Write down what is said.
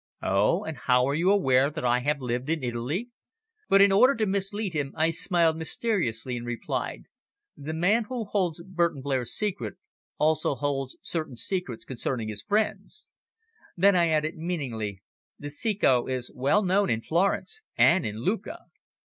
"Oh! and how are you aware that I have lived in Italy?" But in order to mislead him I smiled mysteriously and replied "The man who holds Burton Blair's secret also holds certain secrets concerning his friends." Then I added meaningly, "The Ceco is well known in Florence and in Lucca."